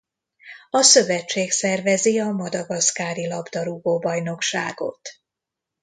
A szövetség szervezi a Madagaszkári labdarúgó-bajnokságot.